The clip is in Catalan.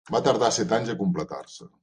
Va tardar set anys a completar-se.